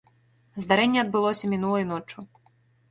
Здарэнне адбылося мінулай ноччу.